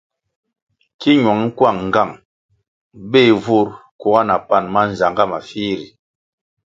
Ki ñuăng kuang nğang béh vur kuga na pan mánzangá mafih ri.